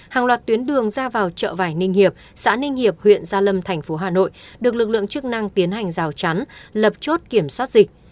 hàng loạt tuyến đường ra vào chợ vải ninh hiệp xã ninh hiệp huyện gia lâm thành phố hà nội được lực lượng chức năng tiến hành rào chắn lập chốt kiểm soát dịch